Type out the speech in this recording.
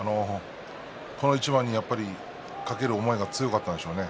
この一番に懸ける思いが強かったんでしょうね。